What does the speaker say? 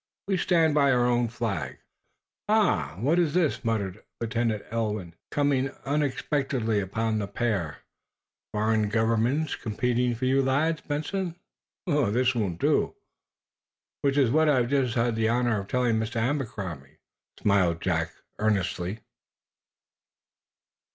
We stand by our own Flag." "Eh? What is this?" muttered Lieutenant Ulwin, coming unexpectedly upon the pair. "Foreign government competing for you lads, Benson? This won't do!" "Which is what I have just had the honor of telling Mr. Abercrombie," smiled Jack, earnestly.